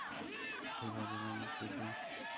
হে ভগবান, শুটু!